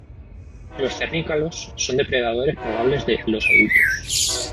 Los cernícalos son depredadores probables de los adultos.